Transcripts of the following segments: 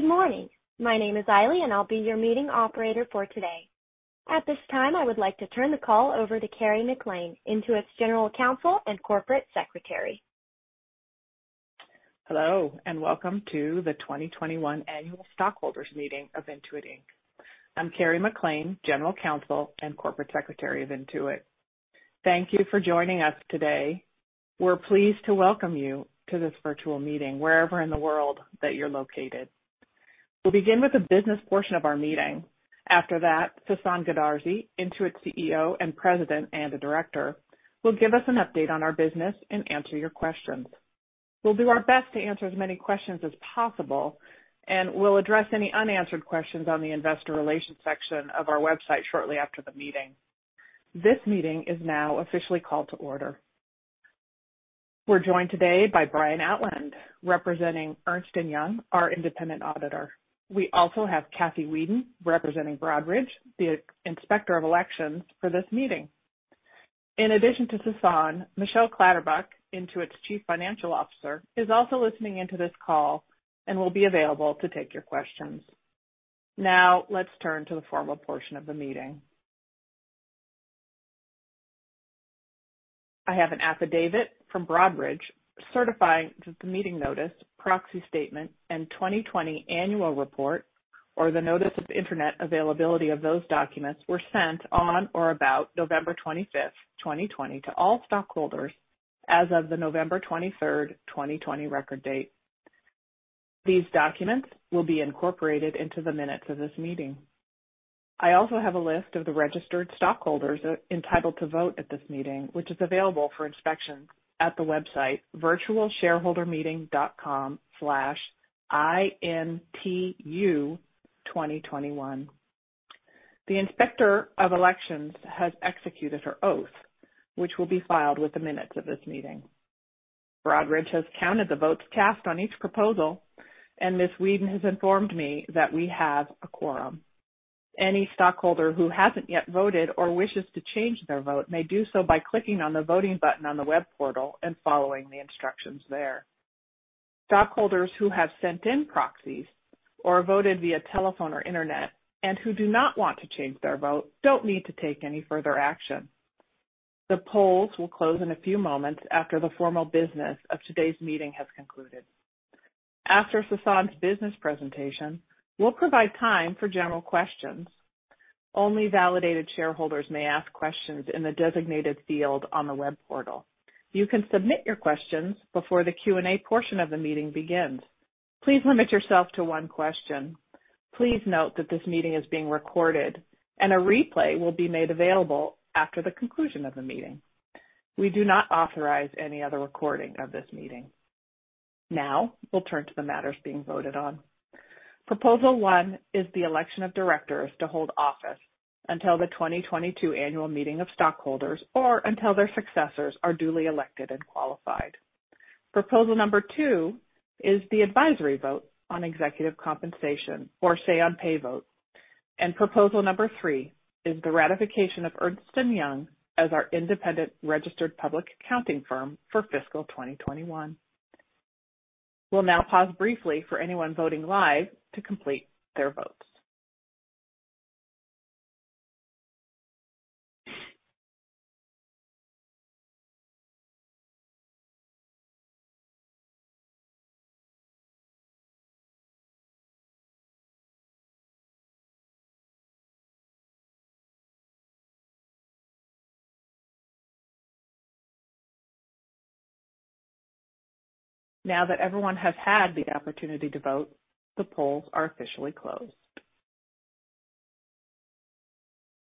Good morning. My name is Ailey, and I'll be your Meeting Operator for today. At this time, I would like to turn the call over to Kerry McLean, Intuit's General Counsel and Corporate Secretary. Hello, and welcome to the 2021 Annual Stockholders Meeting of Intuit Inc. I'm Kerry McLean, General Counsel and Corporate Secretary of Intuit. Thank you for joining us today. We're pleased to welcome you to this virtual meeting, wherever in the world that you're located. We'll begin with the business portion of our meeting. After that, Sasan Goodarzi, Intuit's CEO and President, and a Director, will give us an update on our business and answer your questions. We'll do our best to answer as many questions as possible, and we'll address any unanswered questions on the investor relations section of our website shortly after the meeting. This meeting is now officially called to order. We're joined today by Brian Outland, representing Ernst & Young, our Independent Auditor. We also have Kathy Wheadon, representing Broadridge, the Inspector of Elections for this meeting. In addition to Sasan, Michelle Clatterbuck, Intuit's Chief Financial Officer, is also listening in to this call and will be available to take your questions. Now, let's turn to the formal portion of the meeting. I have an affidavit from Broadridge certifying that the meeting notice, proxy statement, and 2020 annual report, or the notice of internet availability of those documents, were sent on or about November 25, 2020, to all stockholders as of the November 23, 2020, record date. These documents will be incorporated into the minutes of this meeting. I also have a list of the registered stockholders entitled to vote at this meeting, which is available for inspection at the website virtualshareholdermeeting.com/intu2021. The Inspector of Elections has executed her oath, which will be filed with the minutes of this meeting. Broadridge has counted the votes cast on each proposal, and Ms. Wheadon has informed me that we have a quorum. Any stockholder who hasn't yet voted or wishes to change their vote may do so by clicking on the voting button on the web portal and following the instructions there. Stockholders who have sent in proxies or voted via telephone or internet and who do not want to change their vote don't need to take any further action. The polls will close in a few moments after the formal business of today's meeting has concluded. After Sasan's business presentation, we'll provide time for general questions. Only validated shareholders may ask questions in the designated field on the web portal. You can submit your questions before the Q&A portion of the meeting begins. Please limit yourself to one question. Please note that this meeting is being recorded, and a replay will be made available after the conclusion of the meeting. We do not authorize any other recording of this meeting. Now, we'll turn to the matters being voted on. Proposal One is the Election of Directors to hold office until the 2022 annual meeting of stockholders or until their successors are duly elected and qualified. Proposal Number Two is the advisory vote on Executive Compensation, or Say-on-Pay vote. Proposal number three is the ratification of Ernst & Young as our independent registered public accounting firm for fiscal 2021. We'll now pause briefly for anyone voting live to complete their votes. Now that everyone has had the opportunity to vote, the polls are officially closed.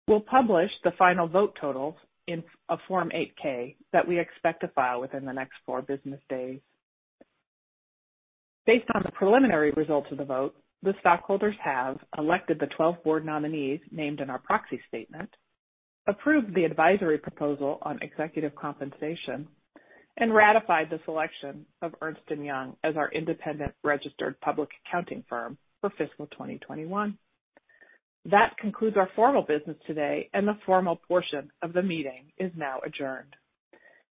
We'll publish the final vote totals in a Form 8-K that we expect to file within the next four business days. Based on the preliminary results of the vote, the stockholders have elected the 12 board nominees named in our proxy statement, approved the advisory proposal on Executive Compensation, and ratified the selection of Ernst & Young as our independent registered public accounting firm for FY 2021. That concludes our formal business today, and the formal portion of the meeting is now adjourned.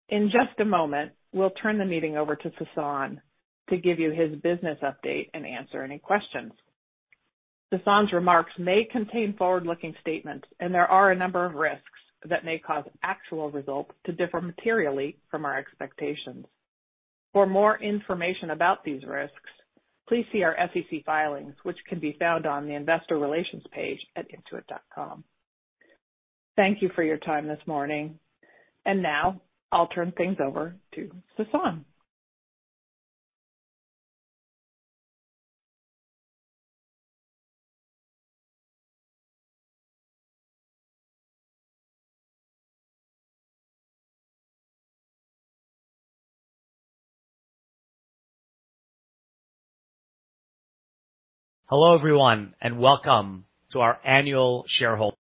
In just a moment, we'll turn the meeting over to Sasan to give you his business update and answer any questions. Sasan's remarks may contain forward-looking statements, and there are a number of risks that may cause actual results to differ materially from our expectations. For more information about these risks, please see our SEC filings, which can be found on the investor relations page at intuit.com. Thank you for your time this morning. Now I'll turn things over to Sasan. Hello, everyone, and welcome to our annual shareholder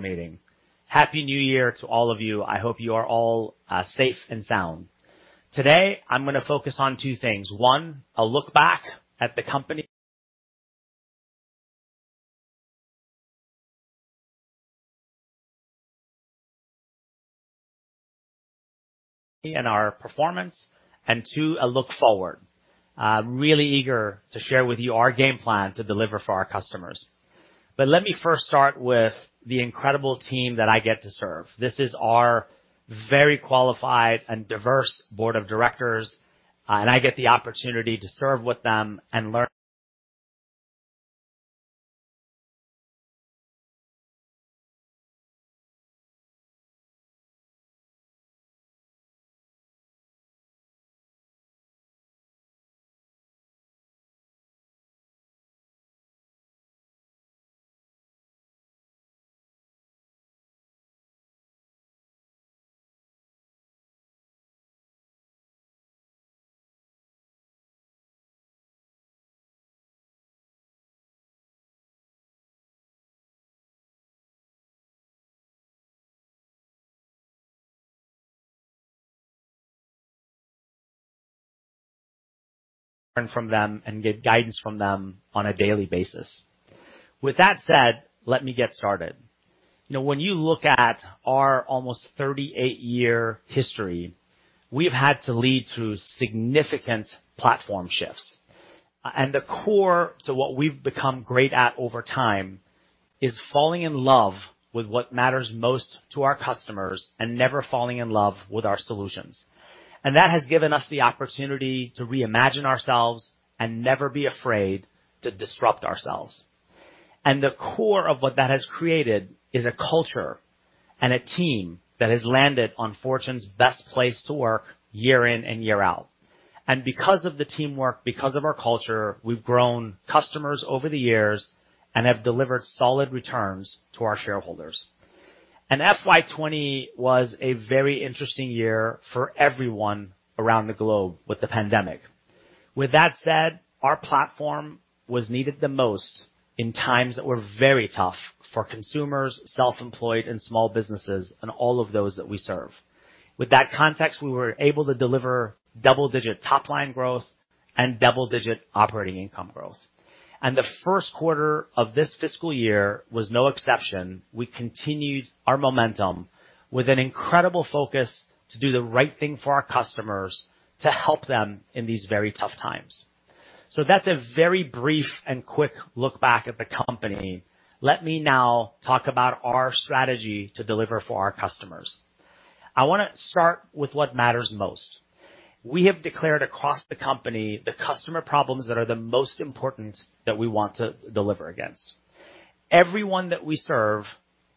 meeting. Happy New Year to all of you. I hope you are all safe and sound. Today, I'm going to focus on two things. One, a look back at the company and our performance, and two, a look forward. Really eager to share with you our game plan to deliver for our customers. Let me first start with the incredible team that I get to serve. This is our very qualified and diverse board of directors, and I get the opportunity to serve with them and learn from them and get guidance from them on a daily basis. With that said, let me get started. When you look at our almost 38-year history, we've had to lead through significant platform shifts, and the core to what we've become great at over time is falling in love with what matters most to our customers and never falling in love with our solutions. That has given us the opportunity to reimagine ourselves and never be afraid to disrupt ourselves. The core of what that has created is a culture and a team that has landed on Fortune's Best Place to Work year in and year out. Because of the teamwork, because of our culture, we've grown customers over the years and have delivered solid returns to our shareholders. FY 2020 was a very interesting year for everyone around the globe with the pandemic. With that said, our platform was needed the most in times that were very tough for consumers, self-employed, and small businesses, and all of those that we serve. With that context, we were able to deliver double-digit top-line growth and double-digit operating income growth. The first quarter of this fiscal year was no exception. We continued our momentum with an incredible focus to do the right thing for our customers to help them in these very tough times. That's a very brief and quick look back at the company. Let me now talk about our strategy to deliver for our customers. I want to start with what matters most. We have declared across the company the customer problems that are the most important that we want to deliver against. Everyone that we serve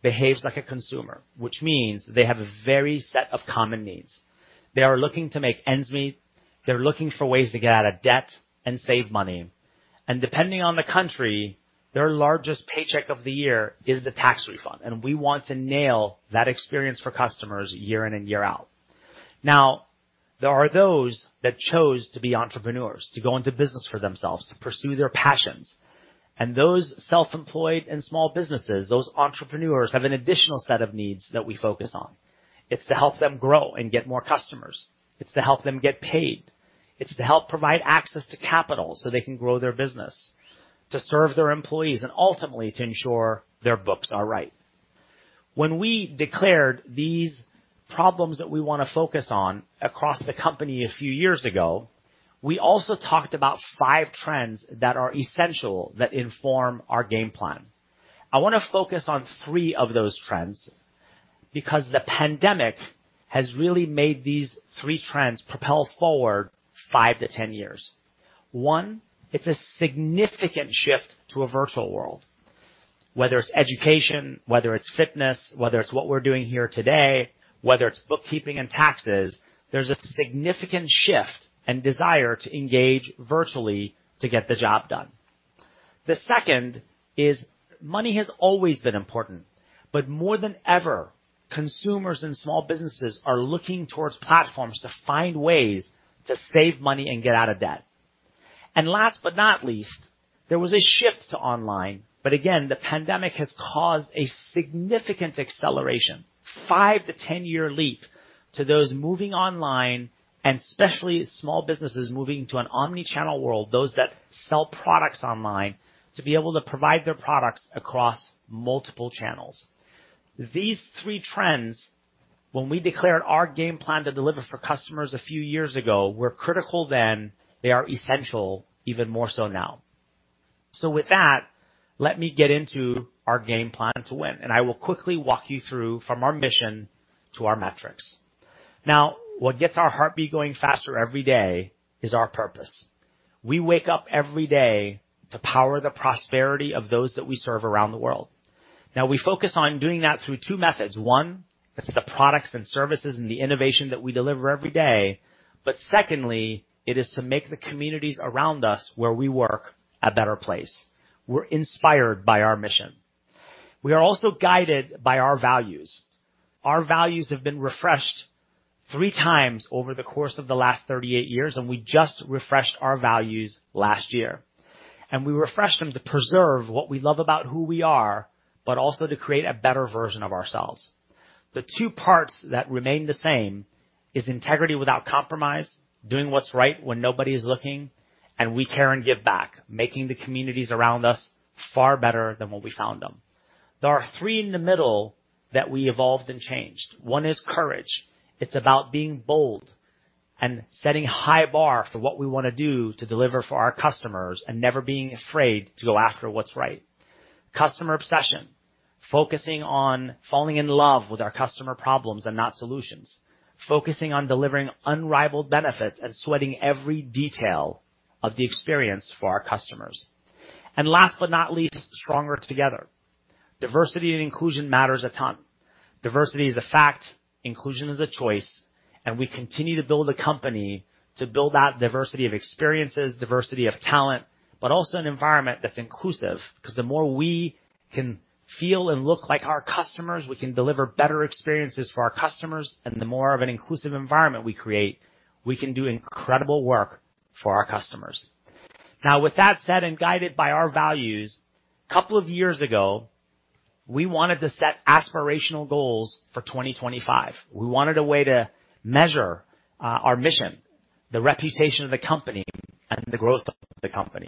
behaves like a consumer, which means they have a very set of common needs. They are looking to make ends meet. They're looking for ways to get out of debt and save money. Depending on the country, their largest paycheck of the year is the tax refund, and we want to nail that experience for customers year in and year out. Now, there are those that chose to be entrepreneurs, to go into business for themselves to pursue their passions. Those self-employed and small businesses, those entrepreneurs have an additional set of needs that we focus on. It's to help them grow and get more customers. It's to help them get paid. It's to help provide access to capital so they can grow their business, to serve their employees, and ultimately to ensure their books are right. When we declared these problems that we want to focus on across the company a few years ago, we also talked about five trends that are essential that inform our game plan. I want to focus on three of those trends because the pandemic has really made these three trends propel forward five to 10 years. One, it's a significant shift to a virtual world. Whether it's education, whether it's fitness, whether it's what we're doing here today, whether it's bookkeeping and taxes, there's a significant shift and desire to engage virtually to get the job done. The second is money has always been important, but more than ever, consumers and small businesses are looking towards platforms to find ways to save money and get out of debt. Last but not least, there was a shift to online, but again, the pandemic has caused a significant acceleration, five to 10-year leap to those moving online and especially small businesses moving to an omni-channel world, those that sell products online to be able to provide their products across multiple channels. These three trends, when we declared our game plan to deliver for customers a few years ago, were critical then. They are essential even more so now. With that, let me get into our game plan to win, and I will quickly walk you through from our mission to our metrics. Now, what gets our heartbeat going faster every day is our purpose. We wake up every day to power the prosperity of those that we serve around the world. Now we focus on doing that through two methods. One is the products and services and the innovation that we deliver every day. Secondly, it is to make the communities around us where we work a better place. We're inspired by our mission. We are also guided by our values. Our values have been refreshed 3x over the course of the last 38 years, and we just refreshed our values last year. We refreshed them to preserve what we love about who we are, but also to create a better version of ourselves. The two parts that remain the same is integrity without compromise, doing what's right when nobody's looking, and we care and give back, making the communities around us far better than when we found them. There are three in the middle that we evolved and changed. One is courage. It's about being bold and setting a high bar for what we want to do to deliver for our customers, and never being afraid to go after what's right. Customer obsession, focusing on falling in love with our customer problems and not solutions, focusing on delivering unrivaled benefits, and sweating every detail of the experience for our customers. Last but not least, stronger together. Diversity and inclusion matters a ton. Diversity is a fact, inclusion is a choice, and we continue to build a company to build that diversity of experiences, diversity of talent, but also an environment that's inclusive. Because the more we can feel and look like our customers, we can deliver better experiences for our customers, and the more of an inclusive environment we create, we can do incredible work for our customers. With that said, and guided by our values, couple of years ago, we wanted to set aspirational goals for 2025. We wanted a way to measure our mission, the reputation of the company, and the growth of the company.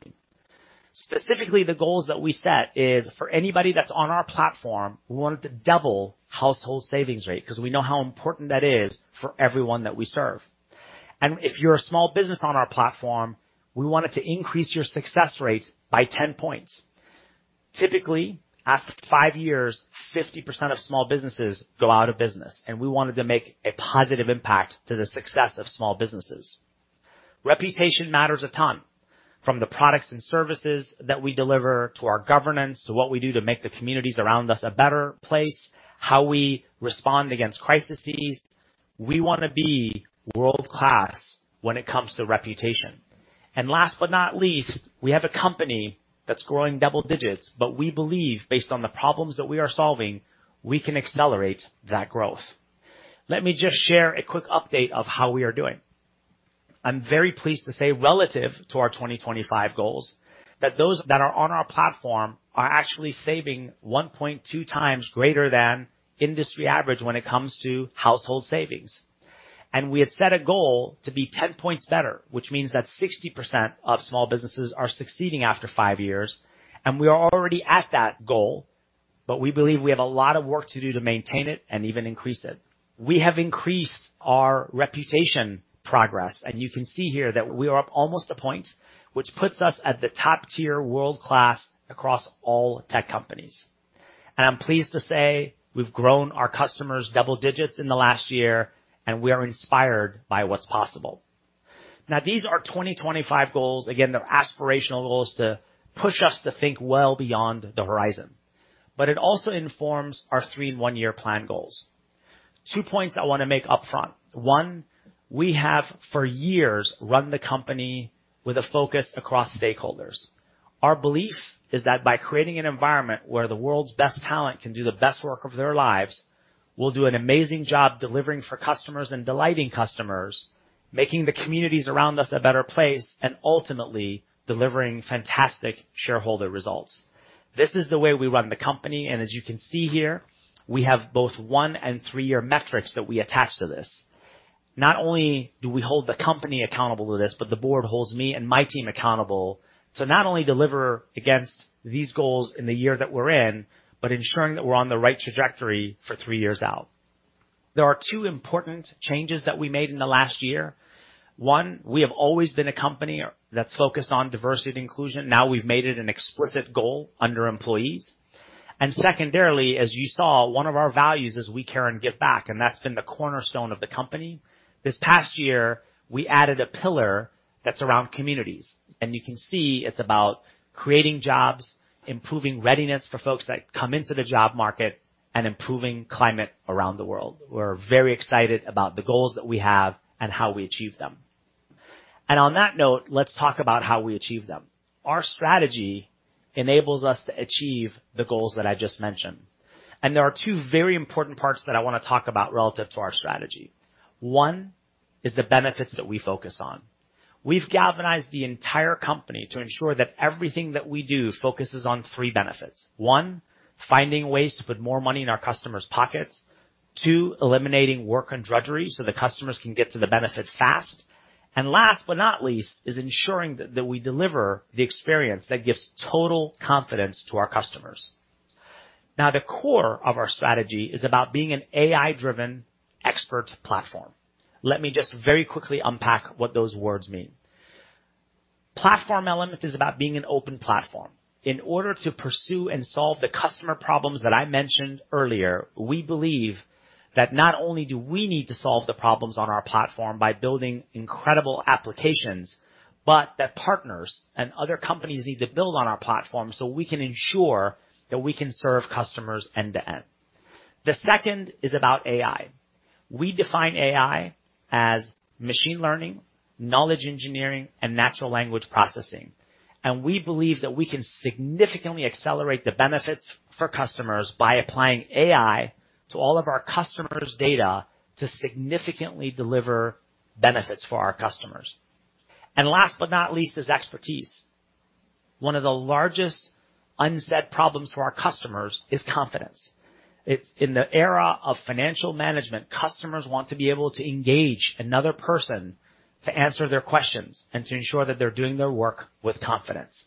Specifically, the goals that we set is for anybody that's on our platform, we wanted to double household savings rate, because we know how important that is for everyone that we serve. If you're a small business on our platform, we wanted to increase your success rates by 10 points. Typically, after five years, 50% of small businesses go out of business, and we wanted to make a positive impact to the success of small businesses. Reputation matters a ton. From the products and services that we deliver, to our governance, to what we do to make the communities around us a better place, how we respond against crises. We want to be world-class when it comes to reputation. Last but not least, we have a company that's growing double digits, but we believe based on the problems that we are solving, we can accelerate that growth. Let me just share a quick update of how we are doing. I'm very pleased to say, relative to our 2025 goals, that those that are on our platform are actually saving 1.2x greater than industry average when it comes to household savings. We had set a goal to be 10 points better, which means that 60% of small businesses are succeeding after five years, and we are already at that goal, but we believe we have a lot of work to do to maintain it and even increase it. We have increased our reputation progress. You can see here that we are up almost a point, which puts us at the top-tier world-class across all tech companies. I'm pleased to say we've grown our customers double digits in the last year, and we are inspired by what's possible. Now, these are 2025 goals. Again, they're aspirational goals to push us to think well beyond the horizon. It also informs our three-and-one-year plan goals. Two points I want to make upfront. One, we have, for years, run the company with a focus across stakeholders. Our belief is that by creating an environment where the world's best talent can do the best work of their lives, we'll do an amazing job delivering for customers and delighting customers, making the communities around us a better place, and ultimately delivering fantastic shareholder results. This is the way we run the company, and as you can see here, we have both one- and three-year metrics that we attach to this. Not only do we hold the company accountable to this, but the board holds me and my team accountable to not only deliver against these goals in the year that we're in, but ensuring that we're on the right trajectory for three years out. There are two important changes that we made in the last year. One, we have always been a company that's focused on diversity and inclusion. Now we've made it an explicit goal under employees. Secondarily, as you saw, one of our values is we care and give back, and that's been the cornerstone of the company. This past year, we added a pillar that's around communities, and you can see it's about creating jobs, improving readiness for folks that come into the job market, and improving climate around the world. We're very excited about the goals that we have and how we achieve them. On that note, let's talk about how we achieve them. Our strategy enables us to achieve the goals that I just mentioned, and there are two very important parts that I want to talk about relative to our strategy. One is the benefits that we focus on. We've galvanized the entire company to ensure that everything that we do focuses on three benefits. One, finding ways to put more money in our customers' pockets. Two, eliminating work and drudgery so the customers can get to the benefit fast. Last but not least, is ensuring that we deliver the experience that gives total confidence to our customers. Now, the core of our strategy is about being an AI-driven expert platform. Let me just very quickly unpack what those words mean. Platform element is about being an open platform. In order to pursue and solve the customer problems that I mentioned earlier, we believe that not only do we need to solve the problems on our platform by building incredible applications, but that partners and other companies need to build on our platform so we can ensure that we can serve customers end to end. The second is about AI. We define AI as machine learning, knowledge engineering and natural language processing. We believe that we can significantly accelerate the benefits for customers by applying AI to all of our customers' data to significantly deliver benefits for our customers. Last but not least is expertise. One of the largest unsaid problems for our customers is confidence. In the era of financial management, customers want to be able to engage another person to answer their questions and to ensure that they're doing their work with confidence.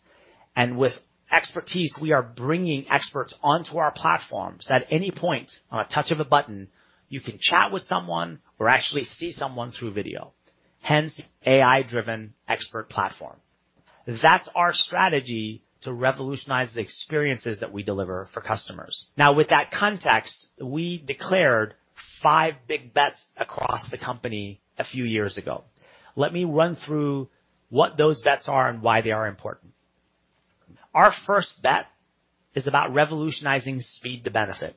With expertise, we are bringing experts onto our platforms. At any point, on a touch of a button, you can chat with someone or actually see someone through video, hence AI-driven expert platform. That's our strategy to revolutionize the experiences that we deliver for customers. With that context, we declared five big bets across the company a few years ago. Let me run through what those bets are and why they are important. Our first bet is about Revolutionizing Speed to Benefit.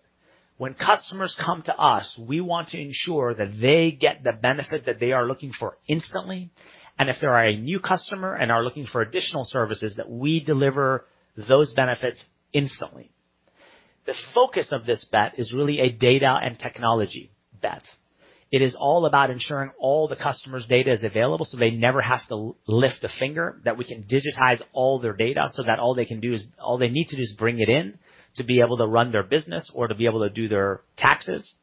When customers come to us, we want to ensure that they get the benefit that they are looking for instantly, and if they are a new customer and are looking for additional services, that we deliver those benefits instantly. The focus of this bet is really a data and technology bet. It is all about ensuring all the customer's data is available so they never have to lift a finger, that we can digitize all their data so that all they need to do is bring it in to be able to run their business or to be able to do their taxes,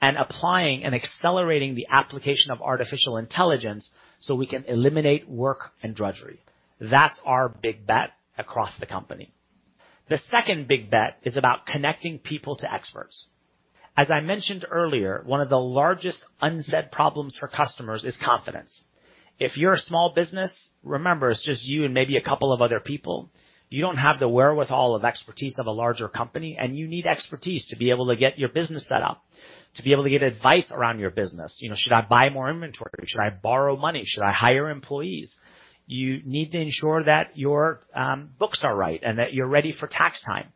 and applying and accelerating the application of artificial intelligence so we can eliminate work and drudgery. That's our big bet across the company. The second big bet is about Connecting People to Experts. As I mentioned earlier, one of the largest unsaid problems for customers is confidence. If you're a small business, remember, it's just you and maybe a couple of other people. You don't have the wherewithal of expertise of a larger company, and you need expertise to be able to get your business set up, to be able to get advice around your business. Should I buy more inventory? Should I borrow money? Should I hire employees? You need to ensure that your books are right and that you're ready for tax time.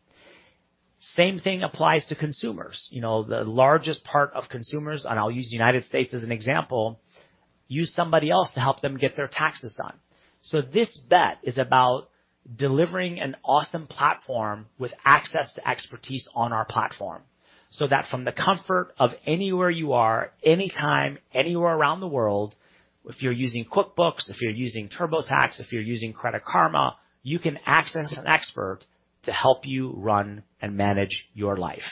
Same thing applies to consumers. The largest part of consumers, and I'll use U.S. as an example, use somebody else to help them get their taxes done. This bet is about delivering an awesome platform with access to expertise on our platform, so that from the comfort of anywhere you are, anytime, anywhere around the world, if you're using QuickBooks, if you're using TurboTax, if you're using Credit Karma, you can access an expert to help you run and manage your life.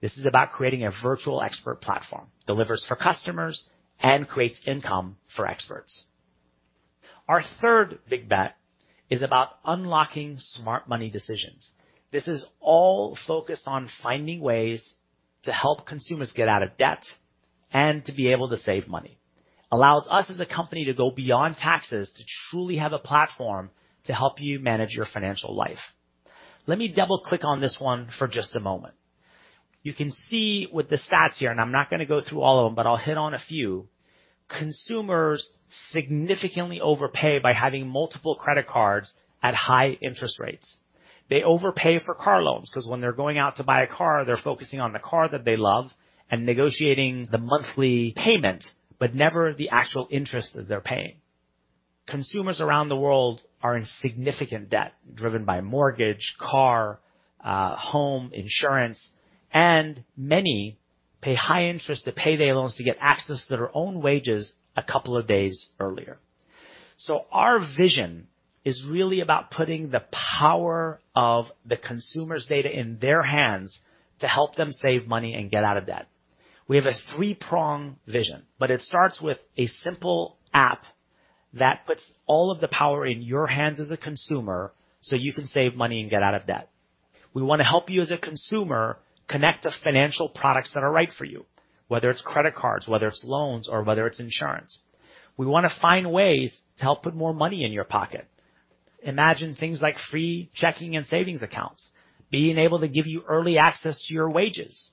This is about creating a virtual expert platform, delivers for customers, and creates income for experts. Our third big bet is about Unlocking Smart Money Decisions. This is all focused on finding ways to help consumers get out of debt and to be able to save money. Allows us as a company to go beyond taxes, to truly have a platform to help you manage your financial life. Let me double-click on this one for just a moment. You can see with the stats here, and I'm not going to go through all of them, but I'll hit on a few. Consumers significantly overpay by having multiple credit cards at high interest rates. They overpay for car loans, because when they're going out to buy a car, they're focusing on the car that they love and negotiating the monthly payment, but never the actual interest that they're paying. Consumers around the world are in significant debt, driven by mortgage, car, home insurance, and many pay high interest to payday loans to get access to their own wages a couple of days earlier. Our vision is really about putting the power of the consumer's data in their hands to help them save money and get out of debt. We have a three-pronged vision, but it starts with a simple app that puts all of the power in your hands as a consumer, so you can save money and get out of debt. We want to help you as a consumer connect to financial products that are right for you, whether it's credit cards, whether it's loans, or whether it's insurance. We want to find ways to help put more money in your pocket. Imagine things like free checking and savings accounts, being able to give you early access to your wages,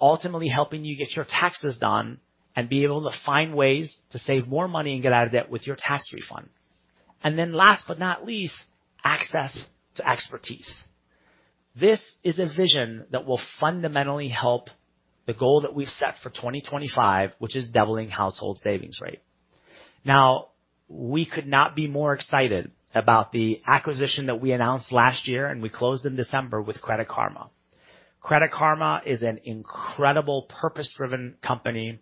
ultimately helping you get your taxes done, and being able to find ways to save more money and get out of debt with your tax refund. Last but not least, Access to Expertise. This is a vision that will fundamentally help the goal that we've set for 2025, which is doubling household savings rate. We could not be more excited about the acquisition that we announced last year, and we closed in December with Credit Karma. Credit Karma is an incredible purpose-driven company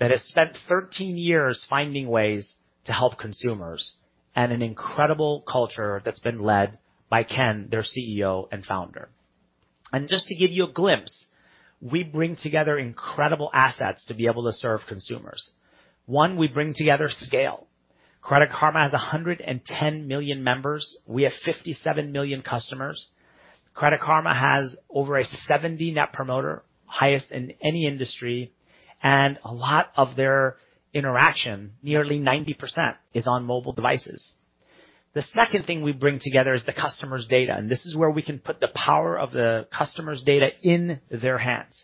that has spent 13 years finding ways to help consumers, and an incredible culture that's been led by Ken, their CEO and Founder. Just to give you a glimpse, we bring together incredible assets to be able to serve consumers. One, we bring together scale. Credit Karma has 110 million members. We have 57 million customers. Credit Karma has over a 70 Net Promoter, highest in any industry, and a lot of their interaction, nearly 90%, is on mobile devices. The second thing we bring together is the customer's data, and this is where we can put the power of the customer's data in their hands.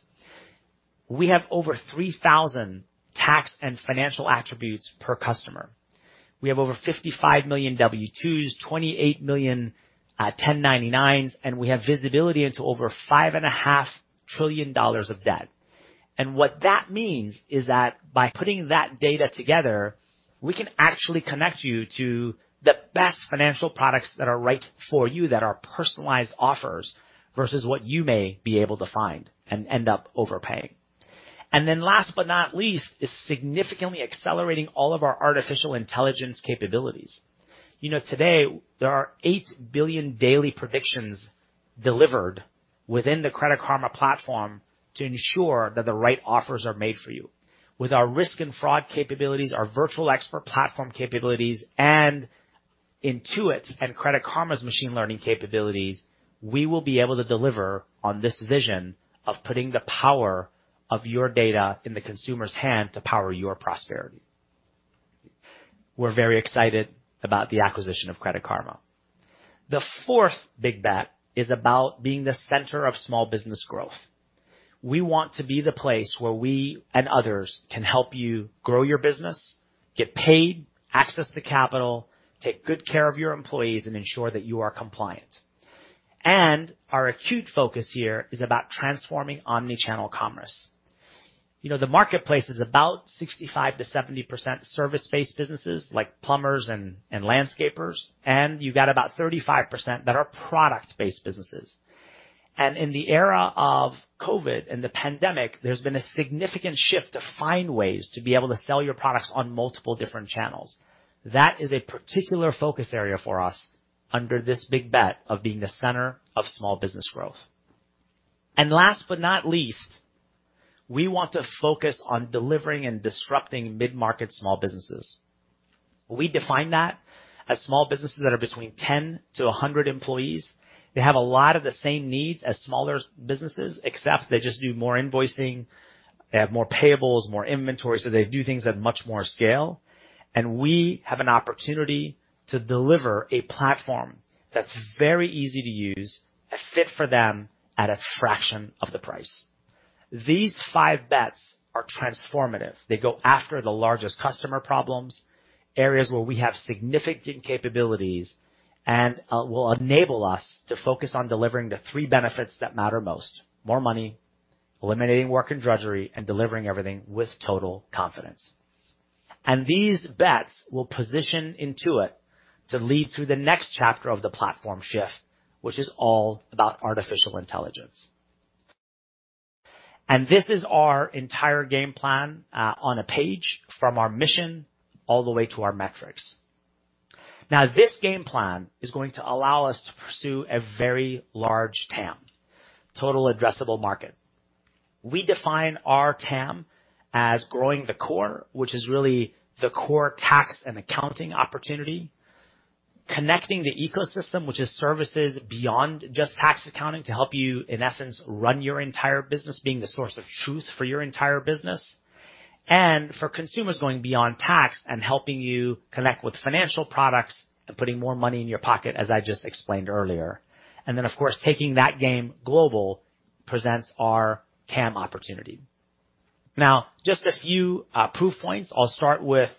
We have over 3,000 tax and financial attributes per customer. We have over 55 million W-2s, 28 million 1099s. We have visibility into over $5.5 trillion of debt. What that means is that by putting that data together, we can actually connect you to the best financial products that are right for you, that are personalized offers, versus what you may be able to find and end up overpaying. Last but not least, is significantly accelerating all of our artificial intelligence capabilities. Today, there are 8 billion daily predictions delivered within the Credit Karma platform to ensure that the right offers are made for you. With our risk and fraud capabilities, our virtual expert platform capabilities, and Intuit's and Credit Karma's machine learning capabilities, we will be able to deliver on this vision of putting the power of your data in the consumer's hand to power your prosperity. We're very excited about the acquisition of Credit Karma. The fourth big bet is about being the Center of Small Business Growth. We want to be the place where we and others can help you grow your business, get paid, access the capital, take good care of your employees, and ensure that you are compliant. Our acute focus here is about transforming omni-channel commerce. The marketplace is about 65%-70% service-based businesses like plumbers and landscapers, and you got about 35% that are product-based businesses. In the era of COVID and the pandemic, there's been a significant shift to find ways to be able to sell your products on multiple different channels. That is a particular focus area for us under this big bet of being the center of small business growth. Last but not least, we want to focus on Delivering and Disrupting Mid-Market Small Businesses. We define that as small businesses that are between 10-100 employees. They have a lot of the same needs as smaller businesses, except they just do more invoicing, they have more payables, more inventory, so they do things at much more scale. We have an opportunity to deliver a platform that's very easy to use, a fit for them at a fraction of the price. These five bets are transformative. They go after the largest customer problems, areas where we have significant capabilities, and will enable us to focus on delivering the three benefits that matter most, more money, eliminating work and drudgery, and delivering everything with total confidence. These bets will position Intuit to lead to the next chapter of the platform shift, which is all about artificial intelligence. This is our entire game plan on a page from our mission all the way to our metrics. Now, this game plan is going to allow us to pursue a very large TAM, total addressable market. We define our TAM as growing the core, which is really the core tax and accounting opportunity, connecting the ecosystem, which is services beyond just tax accounting to help you, in essence, run your entire business, being the source of truth for your entire business, and for consumers, going beyond tax and helping you connect with financial products and putting more money in your pocket, as I just explained earlier. Then, of course, taking that game global presents our TAM opportunity. Now, just a few proof points. I'll start with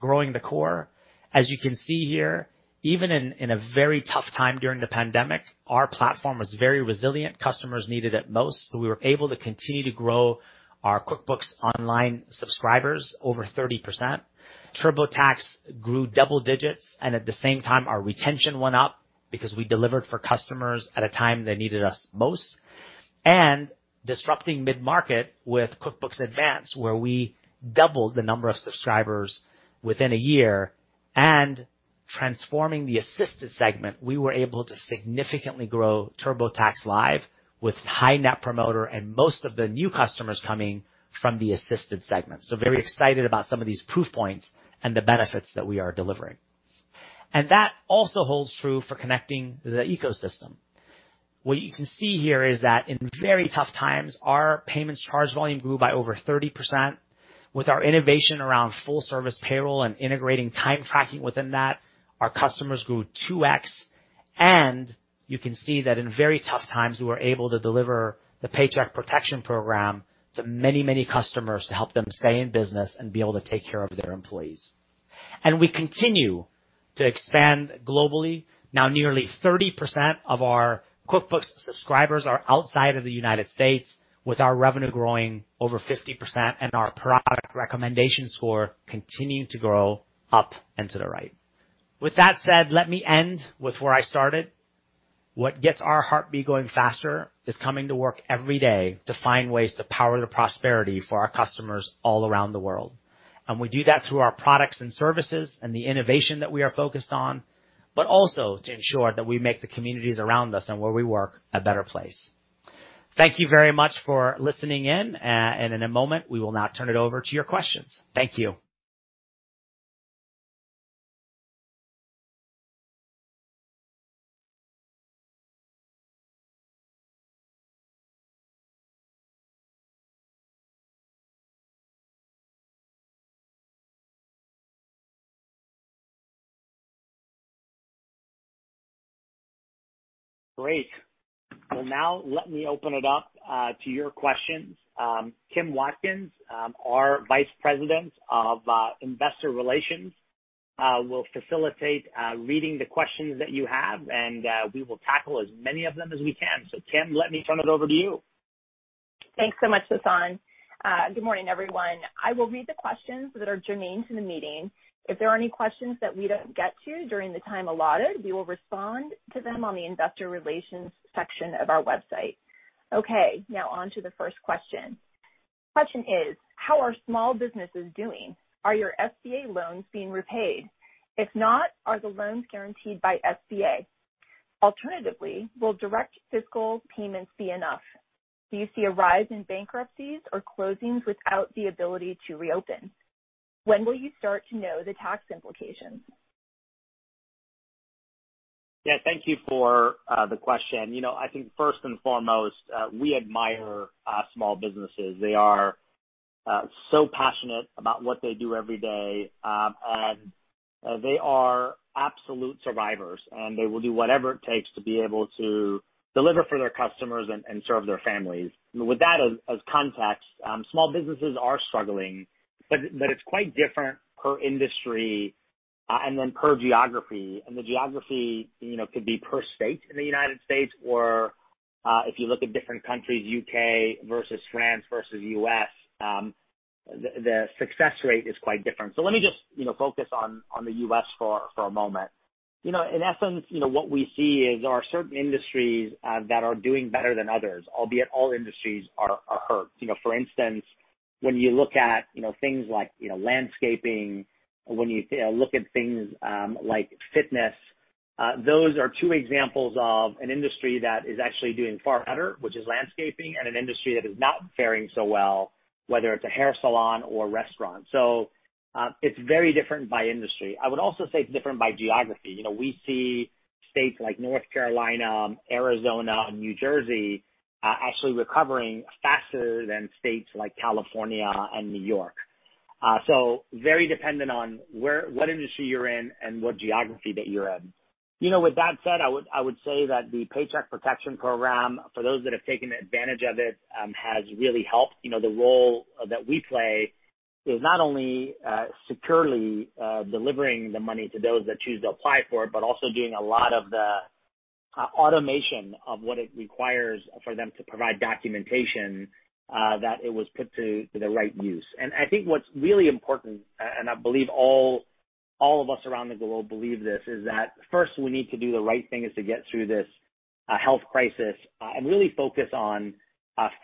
growing the core. As you can see here, even in a very tough time during the pandemic, our platform was very resilient. Customers needed it most, so we were able to continue to grow our QuickBooks Online subscribers over 30%. TurboTax grew double digits, and at the same time, our retention went up because we delivered for customers at a time they needed us most. Disrupting mid-market with QuickBooks Advanced, where we doubled the number of subscribers within a year, and transforming the assisted segment, we were able to significantly grow TurboTax Live with high Net Promoter and most of the new customers coming from the assisted segment. Very excited about some of these proof points and the benefits that we are delivering. That also holds true for connecting the ecosystem. What you can see here is that in very tough times, our payments charge volume grew by over 30%. With our innovation around full service payroll and integrating time tracking within that, our customers grew 2x. You can see that in very tough times, we were able to deliver the Paycheck Protection Program to many customers to help them stay in business and be able to take care of their employees. We continue to expand globally. Now nearly 30% of our QuickBooks subscribers are outside of the United States, with our revenue growing over 50% and our product recommendation score continuing to grow up and to the right. With that said, let me end with where I started. What gets our heartbeat going faster is coming to work every day to find ways to power the prosperity for our customers all around the world. We do that through our products and services and the innovation that we are focused on, but also to ensure that we make the communities around us and where we work a better place. Thank you very much for listening in, and in a moment, we will now turn it over to your questions. Thank you. Great. Well now let me open it up to your questions. Kim Watkins, our Vice President of Investor Relations will facilitate reading the questions that you have, and we will tackle as many of them as we can. Kim, let me turn it over to you. Thanks so much, Sasan. Good morning, everyone. I will read the questions that are germane to the meeting. If there are any questions that we don't get to during the time allotted, we will respond to them on the investor relations section of our website. Okay, now on to the first question. Question is: How are small businesses doing? Are your SBA loans being repaid? If not, are the loans guaranteed by SBA? Alternatively, will direct fiscal payments be enough? Do you see a rise in bankruptcies or closings without the ability to reopen? When will you start to know the tax implications? Yeah. Thank you for the question. I think first and foremost, we admire small businesses. They are so passionate about what they do every day. They are absolute survivors, and they will do whatever it takes to be able to deliver for their customers and serve their families. With that as context, small businesses are struggling, but it's quite different per industry, and then per geography. The geography could be per state in the United States, or if you look at different countries, U.K. versus France versus U.S., the success rate is quite different. Let me just focus on the U.S. for a moment. In essence, what we see is there are certain industries that are doing better than others, albeit all industries are hurt. For instance, when you look at things like landscaping, when you look at things like fitness, those are two examples of an industry that is actually doing far better, which is landscaping, and an industry that is not faring so well, whether it's a hair salon or a restaurant. It's very different by industry. I would also say it's different by geography. We see states like North Carolina, Arizona, and New Jersey actually recovering faster than states like California and New York. Very dependent on what industry you're in and what geography that you're in. With that said, I would say that the Paycheck Protection Program, for those that have taken advantage of it, has really helped. The role that we play is not only securely delivering the money to those that choose to apply for it, but also doing a lot of the automation of what it requires for them to provide documentation that it was put to the right use. I think what's really important, and I believe all of us around the globe believe this, is that first we need to do the right thing is to get through this health crisis, and really focus on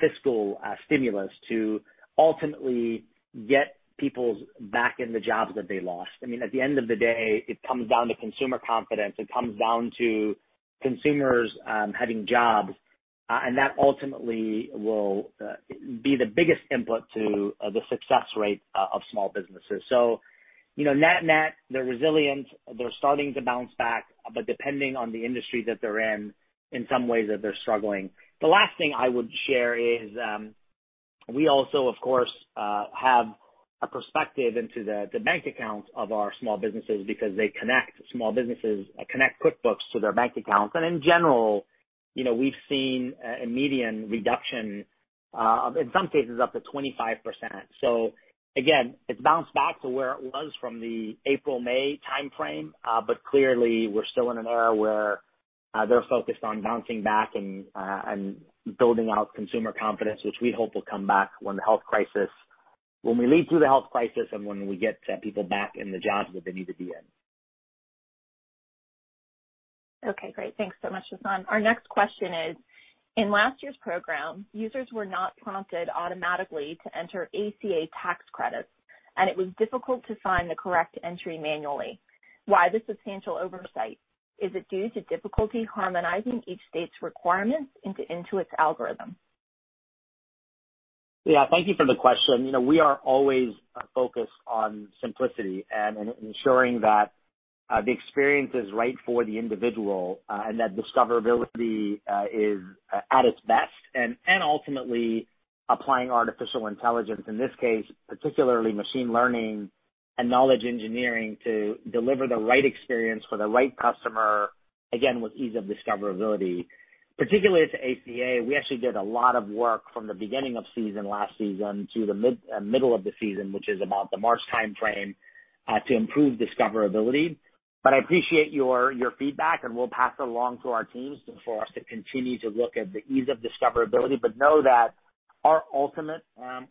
fiscal stimulus to ultimately get peoples back in the jobs that they lost. At the end of the day, it comes down to consumer confidence. It comes down to consumers having jobs, and that ultimately will be the biggest input to the success rate of small businesses. Net, they're resilient. They're starting to bounce back, but depending on the industry that they're in some ways they're struggling. The last thing I would share is we also, of course, have a perspective into the bank accounts of our small businesses because small businesses connect QuickBooks to their bank accounts. In general, we've seen a median reduction of, in some cases, up to 25%. Again, it's bounced back to where it was from the April/May timeframe. Clearly we're still in an era where they're focused on bouncing back and building out consumer confidence, which we hope will come back when we leave through the health crisis, and when we get people back in the jobs that they need to be in. Okay, great. Thanks so much, Sasan. Our next question is: In last year's program, users were not prompted automatically to enter ACA tax credits, and it was difficult to find the correct entry manually. Why the substantial oversight? Is it due to difficulty harmonizing each state's requirements into Intuit's algorithm? Thank you for the question. We are always focused on simplicity and ensuring that the experience is right for the individual, and that discoverability is at its best. Ultimately applying artificial intelligence, in this case, particularly machine learning and knowledge engineering to deliver the right experience for the right customer, again, with ease of discoverability. Particularly with the ACA, we actually did a lot of work from the beginning of season last season to the middle of the season, which is about the March timeframe, to improve discoverability. I appreciate your feedback, and we'll pass that along to our teams for us to continue to look at the ease of discoverability. Know that our ultimate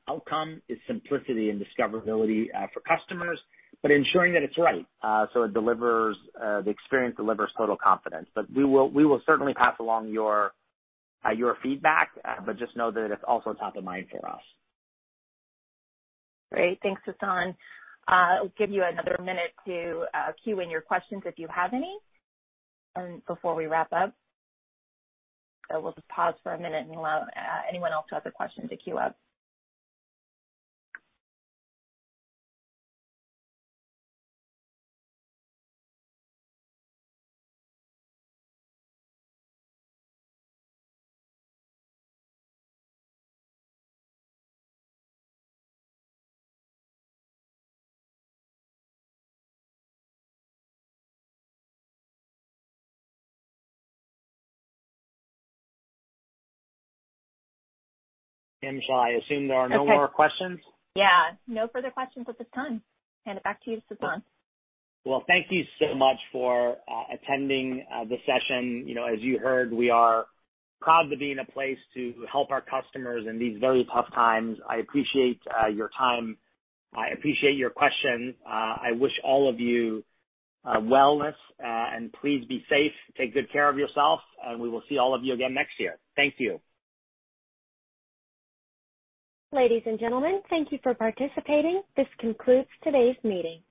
outcome is simplicity and discoverability for customers, but ensuring that it's right, so the experience delivers total confidence. We will certainly pass along your feedback, but just know that it's also top of mind for us. Great. Thanks, Sasan. I'll give you another minute to queue in your questions if you have any before we wrap up. We'll just pause for a minute and allow anyone else who has a question to queue up. Kim, shall I assume there are no more questions? Yeah. No further questions at this time. Hand it back to you, Sasan. Thank you so much for attending the session. As you heard, we are proud to be in a place to help our customers in these very tough times. I appreciate your time. I appreciate your questions. I wish all of you wellness, and please be safe. Take good care of yourself, and we will see all of you again next year. Thank you. Ladies and gentlemen, thank you for participating. This concludes today's meeting.